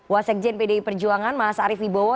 wasik jnpdi perjuangan mas arief wibowo